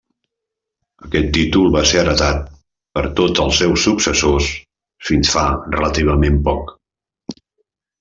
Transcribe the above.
Aquest títol va ser heretat per tots els seus successors fins fa relativament poc.